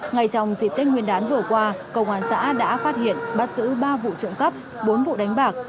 ngay trong dịp tết nguyên đán vừa qua công an xã đã phát hiện bắt giữ ba vụ trộm cắp bốn vụ đánh bạc